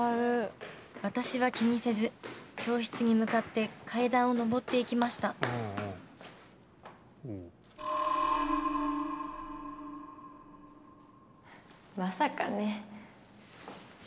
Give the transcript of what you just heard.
私は気にせず教室に向かって階段を上っていきましたまさかね。